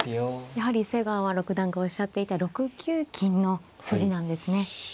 やはり瀬川六段がおっしゃっていた６九金の筋なんですね。